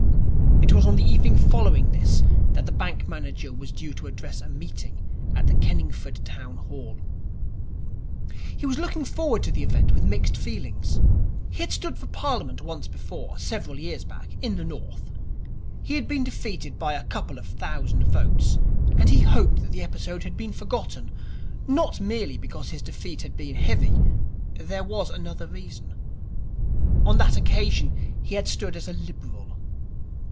It was on the evening following this that the bank manager was due to address a meeting at the Kenningford Town Hall. He was looking forward to the event with mixed feelings. He had stood for Parliament once before, several years back, in the North. He had been defeated by a couple of thousand votes, and he hoped that the episode had been forgotten. Not merely because his defeat had been heavy. There was another reason. On that occasion he had stood as a Liberal.